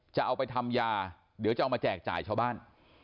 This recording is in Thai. จะเอาไปทำยาเดี๋ยวจะเอามาแจกจ่ายชาวบ้าน